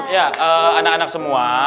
ya anak anak semua